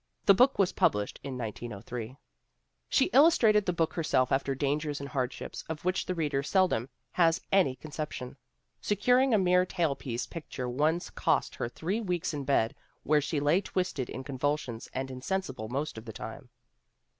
The book was published in 1903. GENE STRATTON PORTER 97 She illustrated the book herself after dangers and hardships of which the reader seldom has any con ception. Securing a mere tailpiece picture once cost her three weeks in bed where she lay twisted in con vulsions and insensible most of the time.